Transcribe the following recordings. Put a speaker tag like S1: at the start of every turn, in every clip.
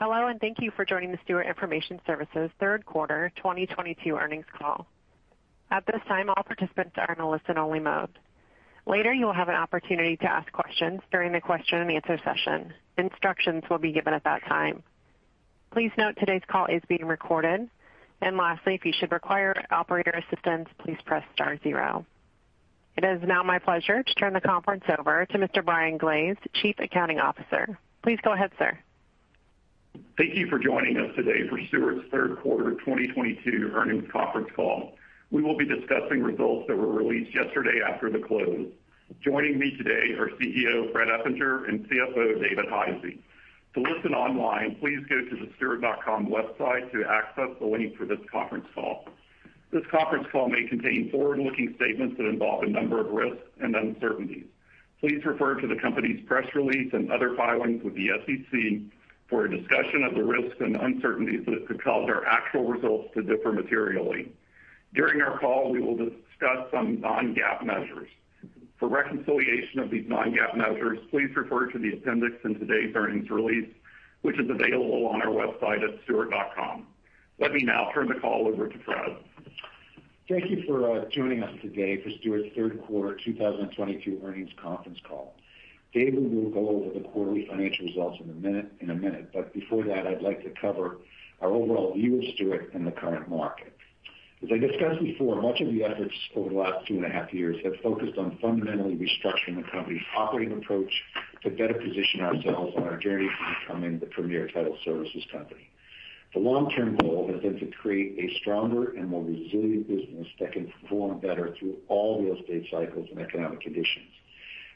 S1: Hello, and thank you for joining the Stewart Information Services third quarter 2022 earnings conference call. At this time, all participants are in a listen-only mode. Later, you will have an opportunity to ask questions during the question-and-answer session. Instructions will be given at that time. Please note today's call is being recorded. Lastly, if you should require operator assistance, please press star zero. It is now my pleasure to turn the conference over to Mr. Brian Glaze, Principal Accounting Officer. Please go ahead, sir.
S2: Thank you for joining us today for Stewart Information Service's third quarter 2022 earnings conference call. We will be discussing results that were released yesterday after the close. Joining me today are CEO, Fred Eppinger, and CFO, David Hisey. To listen online, please go to the stewart.com website to access the link for this conference call. This conference call may contain forward-looking statements that involve a number of risks and uncertainties. Please refer to the company's press release and other filings with the SEC for a discussion of the risks and uncertainties that could cause our actual results to differ materially. During our call, we will discuss some non-GAAP measures. For reconciliation of these non-GAAP measures, please refer to the appendix in today's earnings release, which is available on our website at stewart.com. Let me now turn the call over to Fred.
S3: Thank you for joining us today for Stewart's third quarter 2022 earnings conference call. David will go over the quarterly financial results in a minute. Before that, I'd like to cover our overall view of Stewart in the current market. As I discussed before, much of the efforts over the last two and a half years have focused on fundamentally restructuring the company's operating approach to better position ourselves on our journey to becoming the premier title services company. The long-term goal has been to create a stronger and more resilient business that can perform better through all real estate cycles and economic conditions.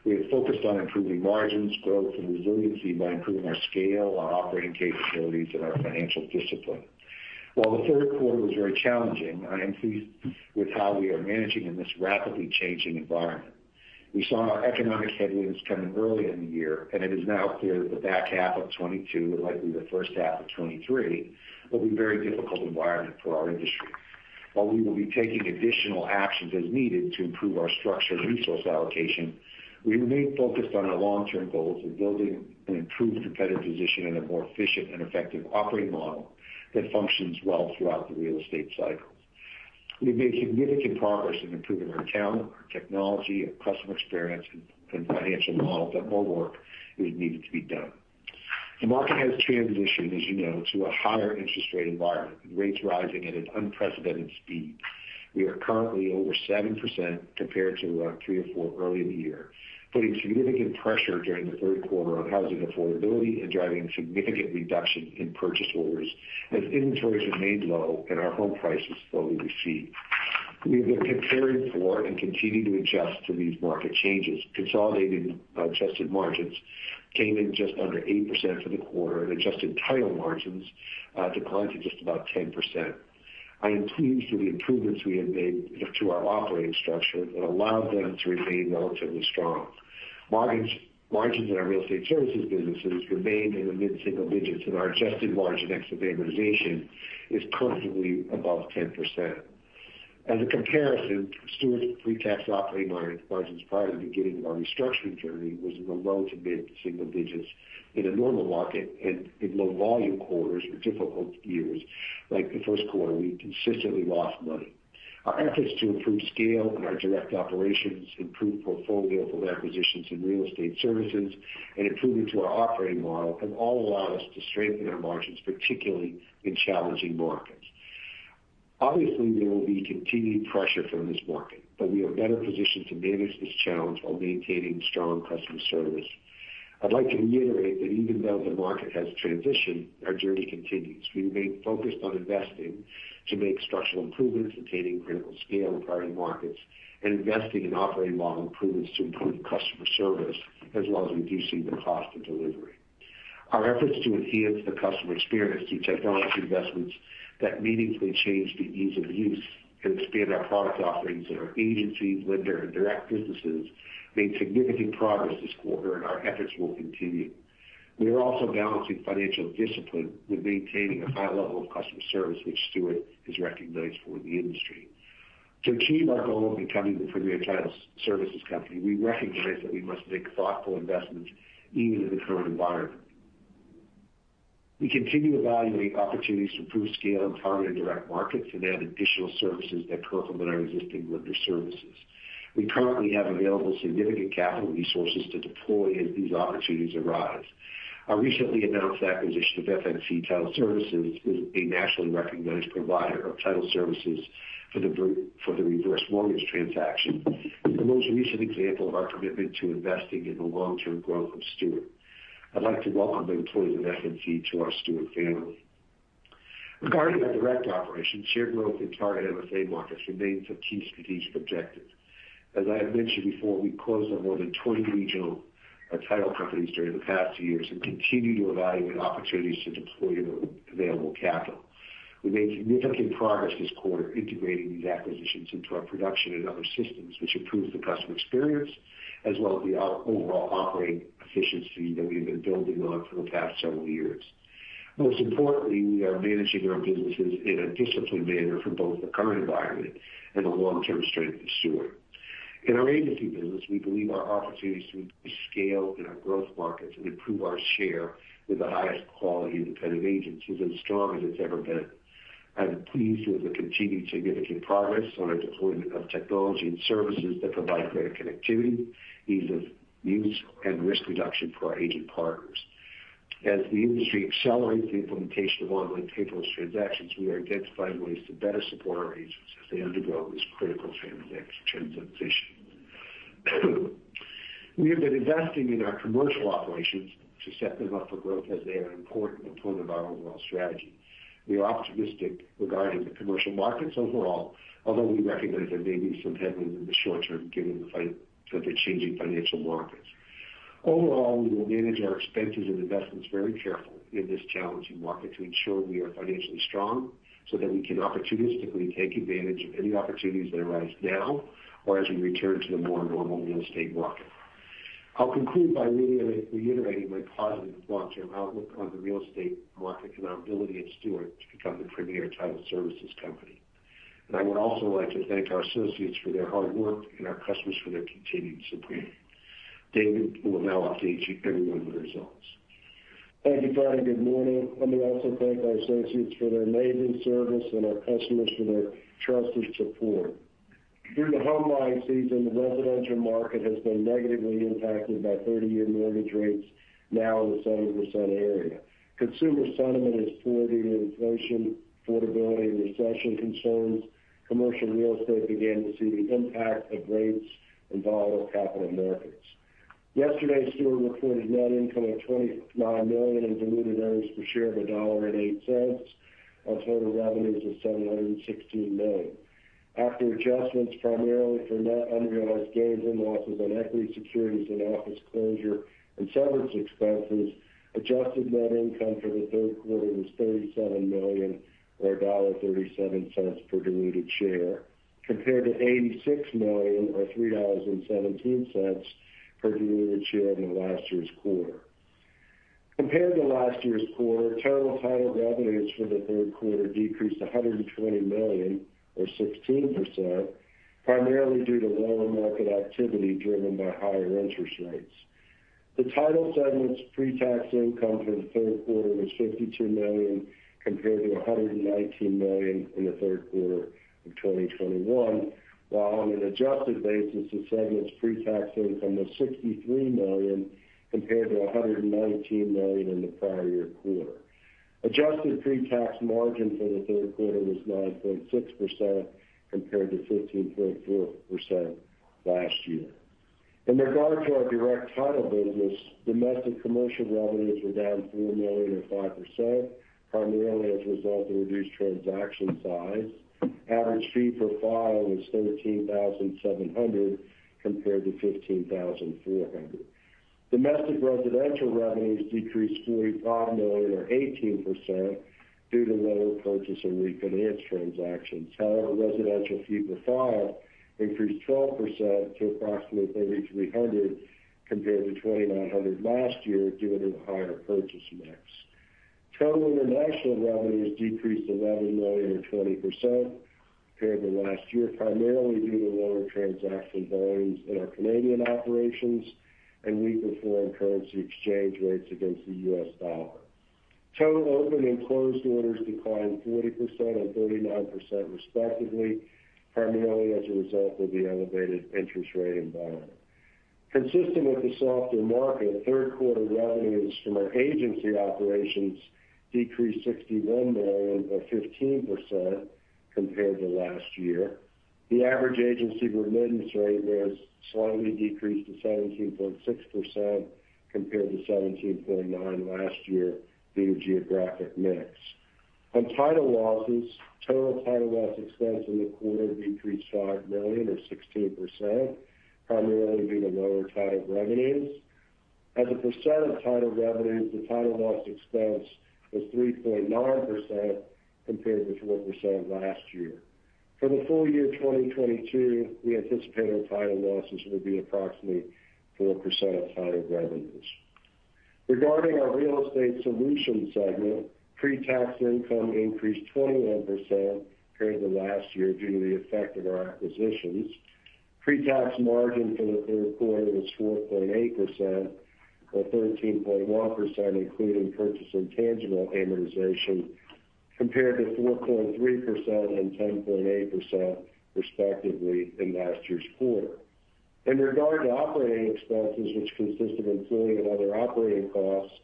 S3: We have focused on improving margins, growth, and resiliency by improving our scale, our operating capabilities, and our financial discipline. While the third quarter was very challenging, I am pleased with how we are managing in this rapidly changing environment. We saw our economic headwinds coming early in the year, and it is now clear that the back half of 2022 and likely the first half of 2023 will be a very difficult environment for our industry. While we will be taking additional actions as needed to improve our structure and resource allocation, we remain focused on our long-term goals of building an improved competitive position and a more efficient and effective operating model that functions well throughout the real estate cycle. We've made significant progress in improving our talent, our technology, our customer experience, and our financial model, but more work still needs to be done. The market has transitioned, as you know, to a higher interest-rate environment, with rates rising at an unprecedented speed. We are currently over 7% compared to 3% or 4% early in the year, putting significant pressure during the third quarter on housing affordability and driving a significant reduction in purchase orders as inventories remained low and our home prices slowly recede. We have been preparing for and continuing to adjust to these market changes. Consolidated adjusted margins came in just under 8% for the quarter, and adjusted title margins declined to just about 10%. I am pleased with the improvements we have made to our operating structure that allowed them to remain relatively strong. Margins in our real estate services businesses remained in the mid-single digits, and our adjusted margin exit capitalization is currently above 10%. As a comparison, Stewart's pre-tax operating margins prior to beginning our restructuring journey was in the low-to-mid-single-digit % in a normal market, and in low-volume quarters or difficult years, like the first quarter, we consistently lost money. Our efforts to improve scale in our direct operations, improve our portfolio from acquisitions in real estate services, and improvements to our operating model have all allowed us to strengthen our margins, particularly in challenging markets. Obviously, there will be continued pressure from this market, but we are better positioned to manage this challenge while maintaining strong customer service. I'd like to reiterate that even though the market has transitioned, our journey continues. We remain focused on investing to make structural improvements, attaining critical scale in targeted markets, and investing in operating-model improvements to improve customer service, as well as reducing the cost of delivery. Our efforts to enhance the customer experience through technology investments that meaningfully change the ease of use and expand our product offerings in our agencies, lender, and direct businesses made significant progress this quarter, and our efforts will continue. We are also balancing financial discipline with maintaining a high level of customer service, which Stewart is recognized for in the industry. To achieve our goal of becoming the premier title services company, we recognize that we must make thoughtful investments even in the current environment. We continue to evaluate opportunities to improve scale in targeted direct markets and add additional services that complement our existing lender services. We currently have significant capital resources to deploy as these opportunities arise. Our recently announced acquisition of FNC Title Services is a nationally recognized provider of title services for the reverse mortgage transaction. This the most recent example of our commitment to investing in the long-term growth of Stewart. I'd like to welcome the employees of FNC to our Stewart family. Regarding our direct operations, share growth in target MSA markets remains a key strategic objective. As I have mentioned before, we closed on more than 20 regional title companies during the past two years and continue to evaluate opportunities to deploy available capital. We made significant progress this quarter integrating these acquisitions into our production and other systems, which improves the customer experience as well as the overall operating efficiency that we've been building for several years. Most importantly, we are managing our businesses in a disciplined manner for both the current environment and the long-term strength of Stewart. In our agency business, we believe our opportunities to scale in our growth markets and improve our share with the highest quality independent agents are as strong as ever. I'm pleased with the continued significant progress on our deployment of technology and services that provide greater connectivity, ease of use, and risk reduction for our agent partners. As the industry accelerates the implementation of online paperless transactions, we are identifying ways to better support our agents as they undergo this critical transition. We have been investing in our commercial operations to set them up for growth as they are an important component of our overall strategy. We are optimistic regarding the commercial markets overall, although we recognize there may be some headwinds in the short term given the changing financial markets. Overall, we will manage our expenses and investments very carefully in this challenging market to ensure we are financially strong so that we can opportunistically take advantage of any opportunities that arise now or as we return to a more normal real estate market. I'll conclude by reiterating my positive long-term outlook on the real estate market and our ability at Stewart to become the premier title services company. I would also like to thank our associates for their hard work and our customers for their continued support. David will now update you, everyone, with the results.
S4: Thank you, Fred, and good morning. Let me also thank our associates for their amazing service and our customers for their trusted support. During the home buying season, the residential market has been negatively impacted by 30-year mortgage rates now in the 7% range. Consumer sentiment is poor due to inflation, affordability, and recession concerns. Commercial real estate began to see the impact of rates and volatile capital markets. Yesterday, Stewart reported net income of $29 million and diluted earnings per share (EPS) of $1.08 on total revenues of $716 million. After adjustments primarily for net unrealized gains and losses on equity securities and office closure and severance expenses, adjusted net income for the third quarter was $37 million or $1.37 per diluted share, compared to $86 million or $3.17 per diluted share in the last year's quarter. Compared to last year's quarter, total title revenues for the third quarter decreased $120 million or 16%, primarily due to lower market activity driven by higher interest rates. The title segment's pre-tax income for the third quarter was $52 million compared to $119 million in the third quarter of 2021. While on an adjusted basis, the segment's pre-tax income was $63 million compared to $119 million in the prior-year quarter. Adjusted pre-tax margin for the third quarter was 9.6% compared to 15.4% last year. In regard to our direct title business, domestic commercial revenues were down $4 million or 5%, primarily as a result of reduced transaction size. Average fee per file was $13,700 compared to $15,400. Domestic residential revenues decreased $45 million or 18% due to lower purchase and refinance transactions. However, residential fee per file increased 12% to approximately $3,300 compared to $2,900 last year due to the higher purchase mix. Total international revenues decreased $11 million or 20% compared to last year, primarily due to lower transaction volumes in our Canadian operations and weaker foreign currency exchange rates against the U.S. dollar. Total open and closed orders declined 40% and 39% respectively, primarily as a result of the elevated interest rate environment. Consistent with the softer market, third quarter revenues from our agency operations decreased $61 million or 15% compared to last year. The average agency remittance rate was slightly decreased to 17.6% compared to 17.9% last year due to geographic mix. On title losses, total title loss expense in the quarter decreased $5 million or 16%, primarily due to lower title revenues. As a percent of title revenues, the title loss expense was 3.9% compared to 4% last year. For the full year 2022, we anticipate our title losses will be approximately 4% of title revenues. Regarding our Real Estate Solutions segment, pre-tax income increased 21% compared to last year due to the effect of our acquisitions. Pre-tax margin for the third quarter was 4.8%, or 13.1% including purchase-intangible amortization, compared to 4.3% and 10.8% respectively in last year's quarter. In regard to operating expenses, which consist of employee and other operating costs,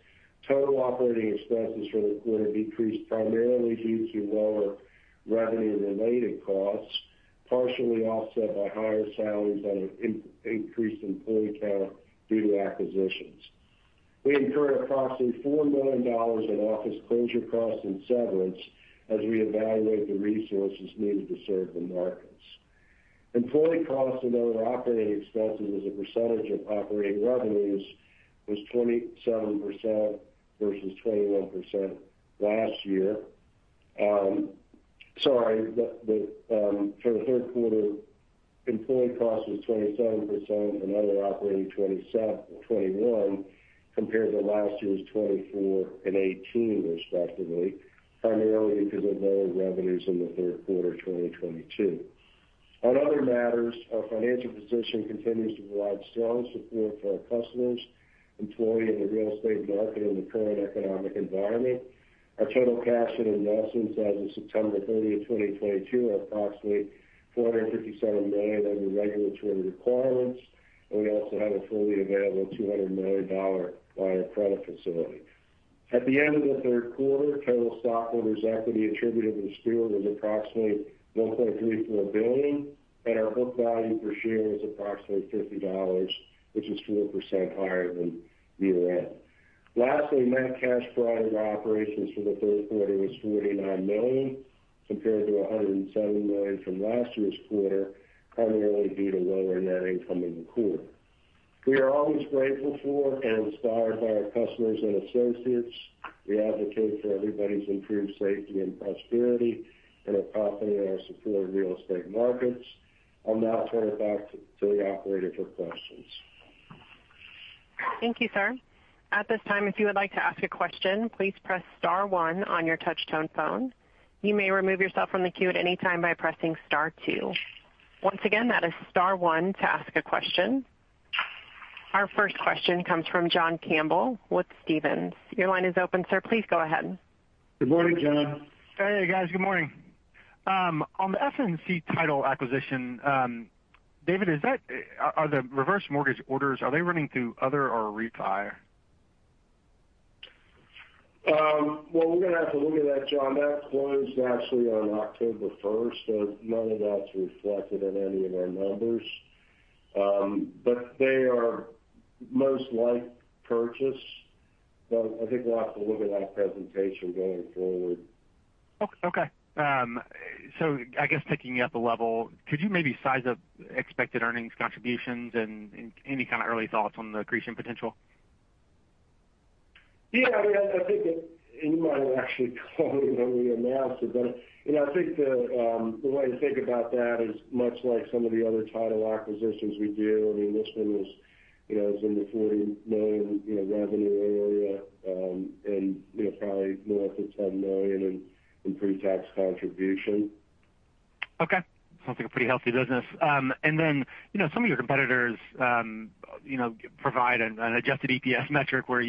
S4: total operating expenses for the quarter decreased primarily due to lower revenue-related costs, partially offset by higher salaries and an increased employee count due to acquisitions. We incurred approximately $4 million in office closure costs and severance as we evaluate the resources needed to serve the markets. Employee costs and other operating expenses as a percentage of operating revenues was 27% versus 21% last year. For the third quarter, employee costs were 27% and other operating 21% compared to last year's 24% and 18% respectively, primarily because of lower revenues in the third quarter of 2022. Our financial position continues to provide strong support for our customers and employees in the real estate market in the current economic environment. Our total cash and investments as of September 30, 2022 are approximately $457 million under regulatory requirements, and we also have a fully available $200 million line-of-credit facility. At the end of the third quarter, total stockholders' equity attributable to Stewart was approximately $1.34 billion, and our book value per share was approximately $50, which is 4% higher than year-end. Lastly, net cash provided by operations for the third quarter was $49 million, compared to $170 million from last year's quarter, primarily due to lower net income in the quarter. We are always grateful for and inspired by our customers and associates. We advocate for everybody's improved safety and prosperity and are confident in our superior real estate markets. I'll now turn it back to the Operator for questions.
S1: Thank you, sir. At this time, if you would like to ask a question, please press star one on your touch-tone phone. You may remove yourself from the queue at any time by pressing star two. Once again, that is star one to ask a question. Our first question comes from John Campbell with Stephens. Your line is open, sir. Please go ahead.
S4: Good morning, John.
S5: Hey, guys. Good morning. On the FNC Title acquisition, David, are the reverse mortgage orders running through other or refinance?
S4: Well, we're going to have to look at that, John. That closed actually on October first. None of that's reflected in any of our numbers. They are most likely purchase. I think we'll have to look at that presentation going forward.
S5: Okay. I guess picking it up a level, could you maybe size up expected earnings contributions and any kind of early thoughts on the accretion potential?
S4: Yeah, I mean, I think that anybody will actually call me when we announce it. You know, I think the way to think about that is much like some of the other title acquisitions we do. I mean, this one was, you know, is in the $40 million revenue area, you know, and, you know, probably north of $10 million in pre-tax contribution.
S5: Okay. Sounds like a pretty healthy business. Some of your competitors provide an adjusted EPS metric where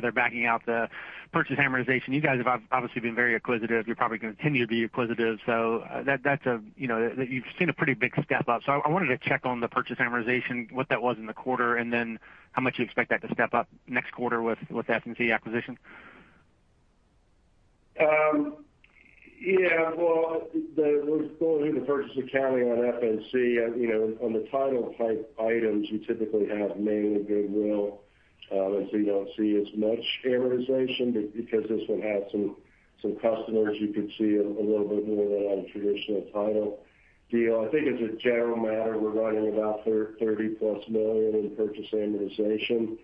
S5: they're backing out the purchase amortization. You guys have obviously been very acquisitive. You're probably going to continue to be acquisitive. That's a, you know, that you've seen a pretty big step up. I wanted to check on the purchase amortization, what that was in the quarter, and then how much you expect that to step up next quarter with the FNC acquisition.
S4: Yeah. Well, we're still doing the purchase accounting on FNC. As you know, on the title type items, you typically have mainly goodwill. You don't see as much amortization because this one has some customers, you could see a little bit more than on a traditional title deal. I think as a general matter, we're running about $30+ million in purchase amortization.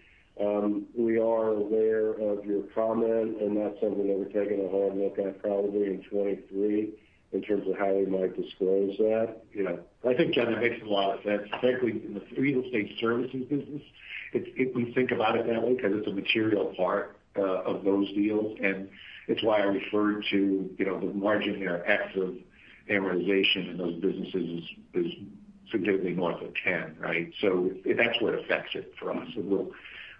S4: We are aware of your comment, and that's something that we're taking a hard look at probably in 2023 in terms of how we might disclose that.
S3: You know, I think, John, it makes a lot of sense, frankly, in the real estate services business. It's if we think about it that way, 'cause it's a material part of those deals, and it's why I referred to, you know, the margin here ex-amortization in those businesses is significantly north of 10%, right? So that's what affects it for us.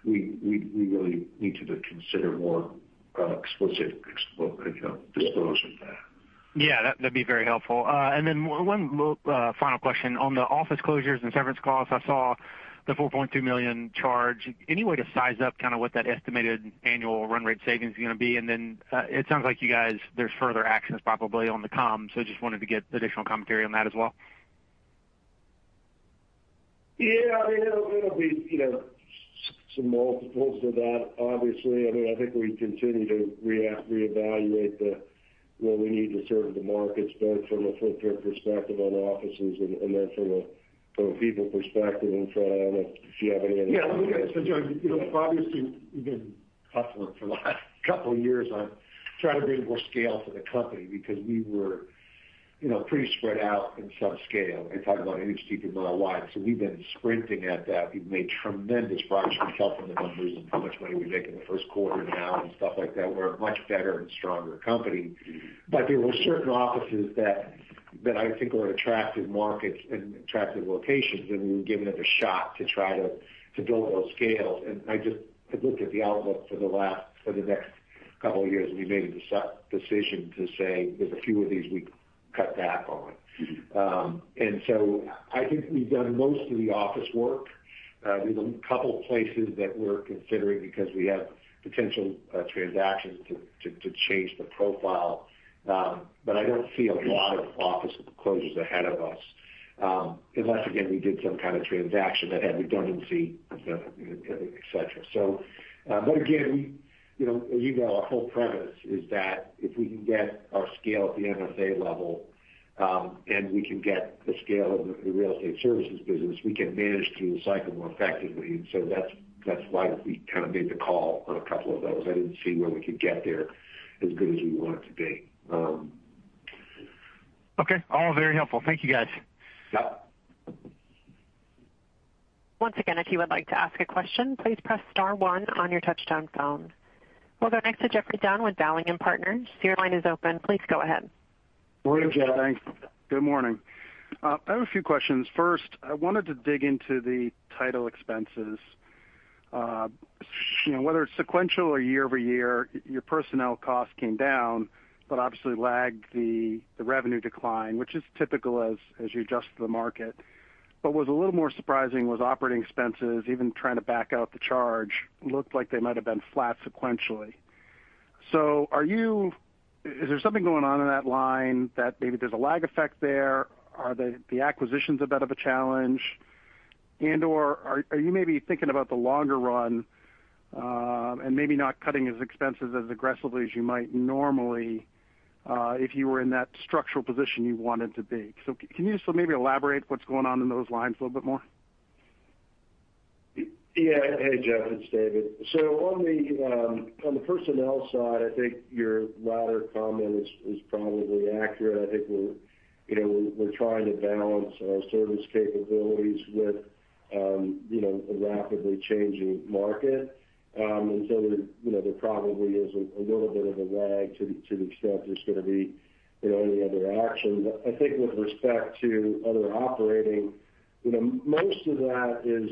S3: We really need to consider more explicit disclosure of that.
S5: Yeah, that'd be very helpful. Then final question. On the office closures and severance clause, I saw the $4.2 million charge. Any way to size up kinda what that estimated annual run rate savings is going to be? Then, it sounds like you guys, there's further actions probably on the come, so just wanted to get additional commentary on that as well.
S4: Yeah, I mean, it'll be, you know, some multiples to that, obviously. I mean, I think we continue to reevaluate the where we need to serve the markets, both from a footprint perspective on offices and then from a people perspective. Fred, I don't know if you have anything
S3: Yeah, John, you know, obviously, we've been hustling for the last couple years on trying to build more scale for the company because we were, you know, pretty spread out in some scale. You talk about a mile wide and an inch deep. We've been sprinting at that. We've made tremendous progress. We saw from the numbers and how much money we make in the first quarter now and stuff like that. We're a much better and stronger company.
S4: Mm-hmm.
S3: There were certain offices that I think are attractive markets and attractive locations, and we were giving it a shot to try to build a little scale. I just had looked at the outlook for the next couple of years, and we made a decision to say there's a few of these we cut back on.
S4: Mm-hmm.
S3: I think we've done most of the office-related work. There's a couple places that we're considering because we have potential transactions to change the profile. But I don't see a lot of office closures ahead of us, unless, again, we did some kind of transaction that had redundancy, et cetera. But again, we as you know, our whole premise is that if we can get our scale at the MSA level, and we can get the scale of the real estate services business, we can manage through the cycle more effectively. That's why we made the call on a couple of those. I didn't see where we could get there as good as we want it to be.
S5: Okay. All very helpful. Thank you, guys.
S4: Yep.
S1: Once again, if you would like to ask a question, please press star one on your touchtone phone. We'll go next to Geoffrey Dunn with Dowling & Partners. Your line is open. Please go ahead.
S4: Morning, Jeff.
S6: Thanks. Good morning. I have a few questions. First, I wanted to dig into the title expenses. You know, whether it's sequential or year-over-year, your personnel costs came down, but obviously lagged the revenue decline, which is typical as you adjust to the market. What was a little more surprising was operating expenses, even trying to back out the charge, looked like they might have been flat sequentially. Is there something going on in that line that maybe there's a lag effect there? Are the acquisitions a bit of a challenge? Are you maybe thinking about the longer run, and maybe not cutting as expenses as aggressively as you might normally, if you were in that structural position you wanted to be? Can you just maybe elaborate what's going on in those lines a little bit more?
S4: Yeah. Hey, Geoffrey, it's David. On the personnel side, I think your latter comment is probably accurate. I think we're trying to balance our service capabilities with a rapidly changing market. There probably is a little bit of a lag to the extent there's going to be any other action. But I think with respect to other operating, you know, most of that is.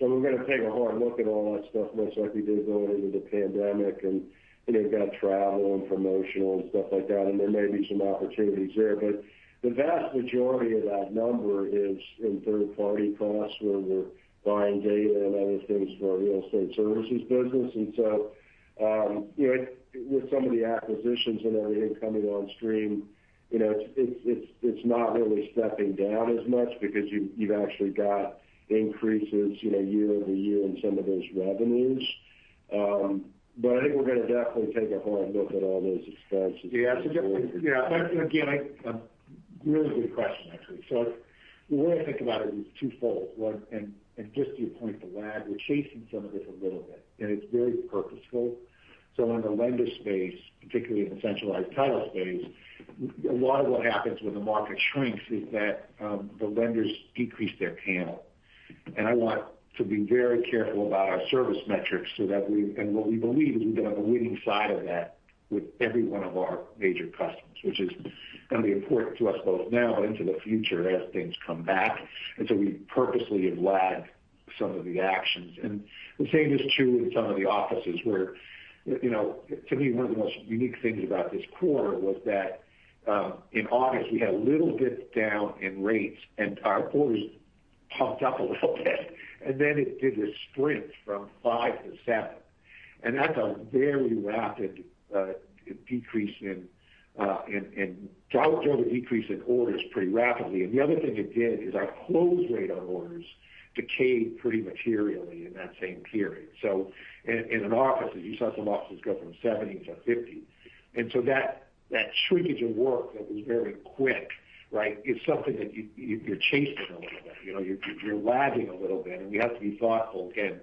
S4: We're going to take a hard look at all that stuff, much like we did going into the pandemic, and you've got travel and promotional and stuff like that, and there may be some opportunities there. But the vast majority of that number is in third-party costs, where we're buying data and other things for our real estate services business. You know, with some of the acquisitions and everything coming on online, you know, it's not really stepping down as much because you've actually got increases, you know, year-over-year in some of those revenues. I think we're going to definitely take a hard look at all those expenses.
S3: Yeah. Jeffrey, yeah, but again, a really good question, actually. The way I think about it is twofold. One, and just to your point, the lag, we're chasing some of this a little bit, and it's very purposeful. In the lender space, particularly in the centralized title space, a lot of what happens when the market shrinks is that the lenders decrease their panel. I want to be very careful about our service metrics so that, and what we believe is we've been on the winning side of that with every one of our major customers, which is going to be important to us both now and into the future as things come back. We purposely have lagged some of the actions. The same is true in some of the offices where, you know, to me, one of the most unique things about this quarter was that, in August, we had a little dip down in rates, and our orders pumped up a little bit, and then it did a sprint from 5% to 7%. That's a very rapid, dramatic decrease in orders pretty rapidly. The other thing it did is our close rate on orders decayed pretty materially in that same period. In an office, you saw some offices go from 70% to 50%. That shrinkage of work that was very quick, right? It's something that you're chasing a little bit. You know, you're lagging a little bit, and we have to be thoughtful, again,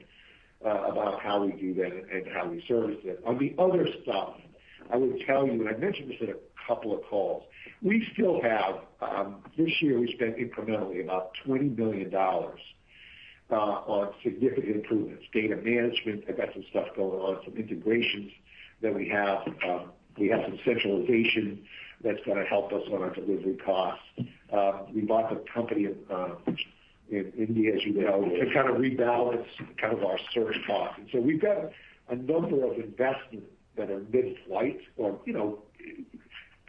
S3: about how we do that and how we service it. On the other side, I would tell you, and I've mentioned this in a couple of calls, we still have. This year we spent incrementally about $20 million on significant improvements. Data management, I've got some stuff going on, some integrations that we have. We have some centralization that's going to help us on our delivery costs. We bought the company in India, as you know, to kind of rebalance kind of our source costs. We've got a number of investments that are mid-flight or, you know,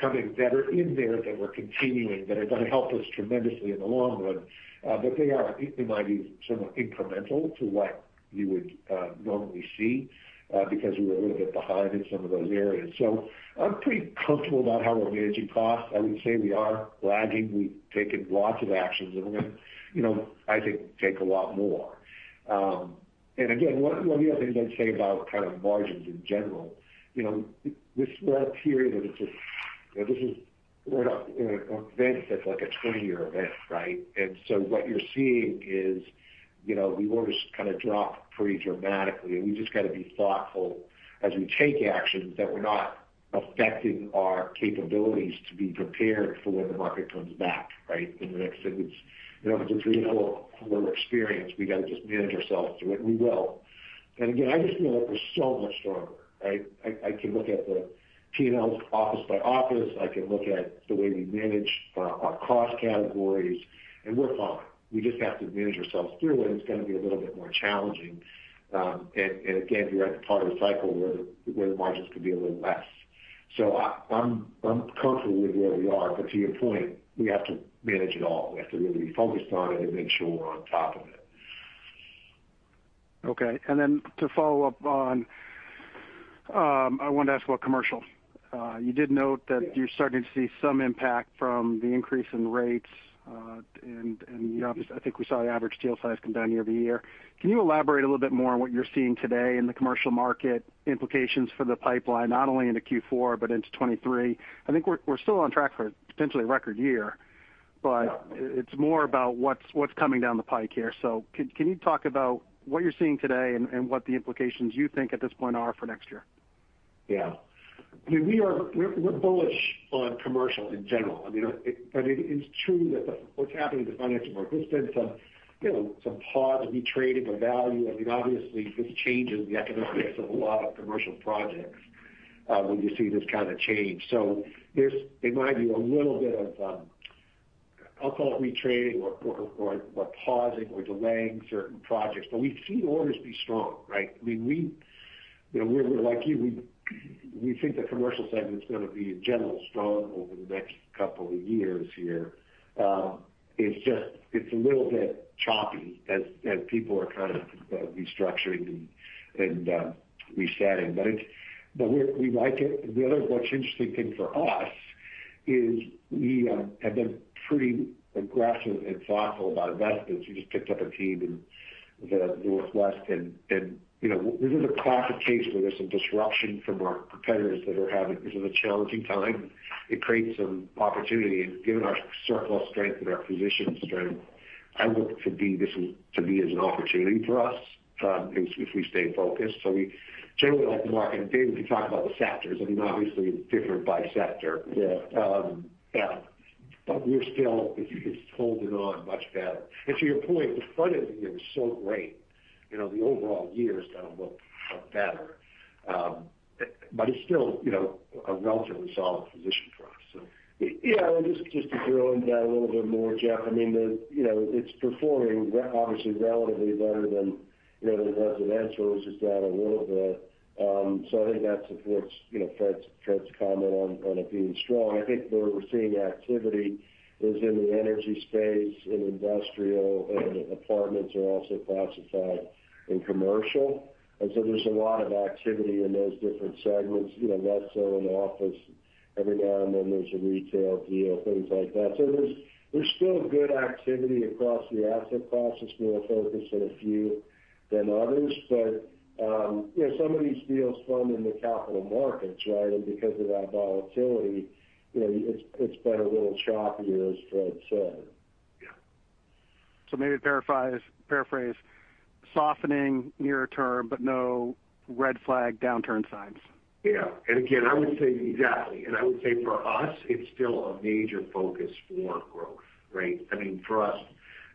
S3: coming that are in there that we're continuing that are going to help us tremendously in the long run. I think they might be somewhat incremental to what you would normally see because we were a little bit behind in some of those areas. I'm pretty comfortable about how we're managing costs. I would say we are lagging. We've taken lots of actions, and we're going to, you know, I think, take a lot more. Again, one of the other things I'd say about kind of margins in general during this small period is just, you know, we're not in an event that's like a 20-year event, right? What you're seeing is, you know, the orders kind of drop pretty dramatically, and we just got to be thoughtful as we take actions that we're not affecting our capabilities to be prepared for when the market comes back, right? In the next you know, if it's a three-to-four-year experience, we got to just manage ourselves through it, and we will. Again, I just feel like we're so much stronger, right? I can look at the P&L office by office. I can look at the way we manage our cost categories, and we're fine. We just have to manage ourselves through it, and it's going to be a little bit more challenging. Again, we're at the part of the cycle where the margins could be a little less. So I'm comfortable with where we are, but to your point, we have to manage it all. We have to really be focused on it and make sure we're on top of it. Okay. Then to follow up on, I wanted to ask about commercial.
S6: You did note that you're starting to see some impact from the increase in rates, and you obviously, I think we saw the average deal size come down year-over-year. Can you elaborate a little bit more on what you're seeing today in the commercial market implications for the pipeline, not only into Q4 but into 2023? I think we're still on track for potentially a record year, but.
S3: Yeah
S6: It's more about what's coming down the pike here. So can you talk about what you're seeing today and what the implications you think at this point are for next year?
S3: Yeah. I mean, we're bullish on commercial in general. I mean, but it is true that what's happening in the financial market, there's been some, you know, some pause, retrading of value. I mean, obviously, this changes the economics of a lot of commercial projects, when you see this kind of change. So there might be a little bit of, I'll call it retrading or pausing or delaying certain projects. But we see orders be strong, right? I mean, you know, we're like you. We think the commercial segment is going to be, in general, strong over the next couple of years here. It's just a little bit choppy as people are kind of restructuring and resetting. But we like it. What's interesting for us is we have been pretty aggressive and thoughtful about investments. We just picked up a team in the Northwest. You know, this is a classic case where there's some disruption from our competitors. This is a challenging time. It creates some opportunity. Given our circle of strength and our position of strength, I see this as an opportunity for us, if we stay focused. We generally like the market. David, you can talk about the sectors. I mean, obviously different by sector.
S4: Yeah.
S3: Yeah. We're still just holding on much better. To your point, the front end of the year is so great, you know, the overall year is going to look a lot better. But it's still, you know, a relatively solid position for us.
S4: Yeah. Just to drill into that a little bit more, Jeffrey, I mean, the, you know, it's performing obviously relatively better than, you know, the residential, which is down a little bit. I think that supports, you know, Fred's comment on it being strong. I think where we're seeing activity is in the energy space, in industrial, and apartments are also classified in commercial. There's a lot of activity in those different segments, you know, less so in office. Every now and then, there's a retail deal, things like that. There's still good activity across the asset classes. We're more focused on a few than others. You know, some of these deals fund in the capital markets, right? And because of that volatility, you know, it's been a little choppier, as Fred said.
S3: Yeah.
S6: Maybe to paraphrase, softening near term, but no red flag downturn signs.
S3: Yeah. Again, I would say exactly. I would say for us, it's still a major focus for growth, right? I mean, for us,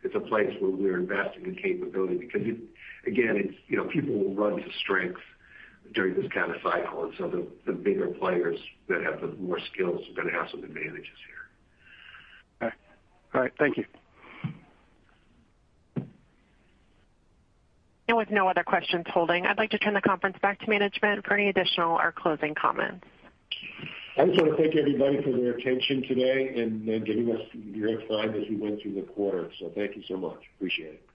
S3: it's a place where we're investing in capability because it, again, it's, you know, people will run to strength during this kind of cycle. The bigger players that have the more skills are going to have some advantages here.
S6: Okay. All right. Thank you.
S1: With no other questions holding, I'd like to turn the conference back to management for any additional or closing comments.
S3: I just wanna thank everybody for their attention today and giving us your time as we went through the quarter. Thank you so much. Appreciate it.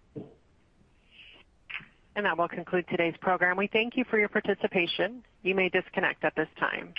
S1: That will conclude today's program. We thank you for your participation. You may disconnect at this time.